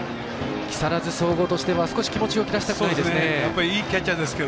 木更津総合としては少し気持ちを切らしたくないですね。